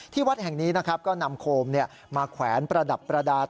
ที่วัดแห่งนี้ก็นำโคมมาแขวนประดับประดาษ